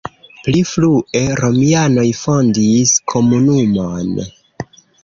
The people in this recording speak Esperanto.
Pli frue romianoj fondis komunumon.